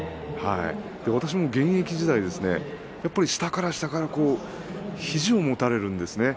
私も現役時代、下から下から肘を持たれるんですね。